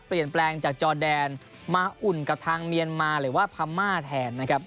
เปลี่ยนแปลงจากจอแดนมาอุ่นกับทางเมียนมาหรือว่าพม่าแทนนะครับ